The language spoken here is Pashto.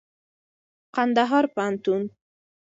کنــدهـــار پوهنـتــون